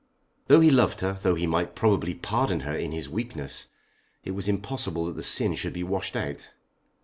Though he loved her, though he might probably pardon her in his weakness, it was impossible that the sin should be washed out.